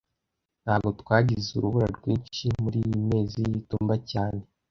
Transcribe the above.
Ntago twagize urubura rwinshi muriyi mezi y'itumba cyane